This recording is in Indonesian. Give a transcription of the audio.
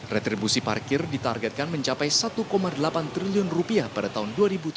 retribusi parkir ditargetkan mencapai satu delapan triliun rupiah pada tahun dua ribu tujuh belas